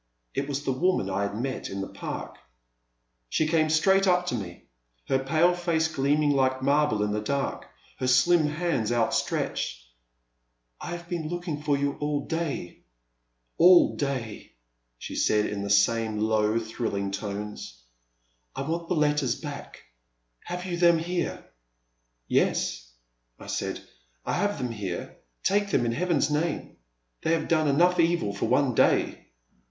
It was the woman I had met in the Park. She came straight up to me, her pale face gleaming like marble in the dark, her slim hands outstretched. I have been looking for you all day — all day/* she said, in the same low thrilling tones, —I want the letters back ; have you them here?'' Yes,'* I said, I have them here, — take them in Heaven's name ; they have' done enough evil for one day